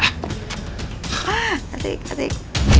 hah asik asik